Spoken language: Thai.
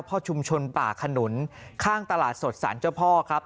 พ่อชุมชนป่าขนุนข้างตลาดสดสารเจ้าพ่อครับ